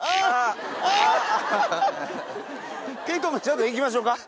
ちょっといきましょうか？